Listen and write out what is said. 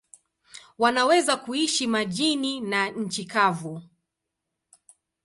Wanaweza kuishi majini na nchi kavu.